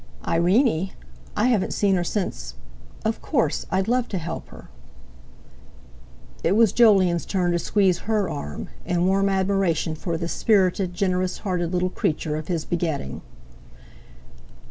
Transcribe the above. "Irene! I haven't seen her since! Of course! I'd love to help her." It was Jolyon's turn to squeeze her arm, in warm admiration for this spirited, generous hearted little creature of his begetting.